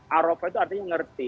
arafah itu artinya mengerti